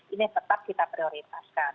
ini tetap kita prioritaskan